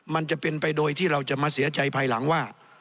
มันจะเป็นไปโดยที่เราจะมาเสียใจภายหลังว่า